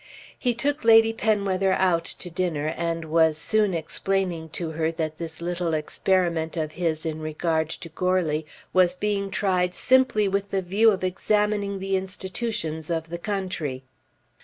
He took Lady Penwether out to dinner and was soon explaining to her that this little experiment of his in regard to Goarly was being tried simply with the view of examining the institutions of the country.